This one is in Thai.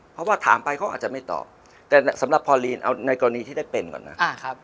เพราะว่าถามไปเขาอาจจะไม่ตอบแต่สำหรับพอลีนเอาในกรณีที่ได้เป็นก่อนนะ